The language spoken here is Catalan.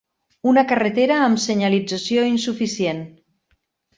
Una carretera amb senyalització insuficient.